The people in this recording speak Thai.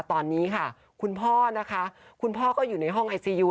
ตอนนี้ค่ะคุณพ่อนะคะคุณพ่อก็อยู่ในห้องไอซียู